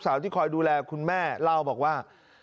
ที่คอยดูแลคุณแม่เล่าบอกว่า